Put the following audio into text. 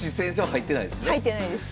入ってないです。